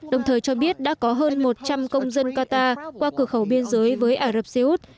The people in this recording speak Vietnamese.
đồng thời cho biết đã có hơn một trăm linh công dân qatar qua cửa khẩu biên giới với ả rập xê út